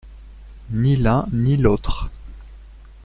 Ni l’un ni l’autre.